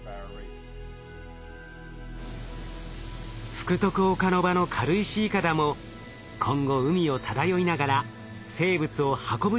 福徳岡ノ場の軽石いかだも今後海を漂いながら生物を運ぶ役割を果たすはず。